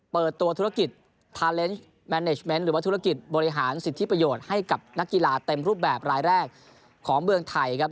เปิดตัวธุรกิจหรือว่าธุรกิจบริหารสิทธิประโยชน์ให้กับนักกีฬาเต็มรูปแบบรายแรกของเมืองไทยนะครับ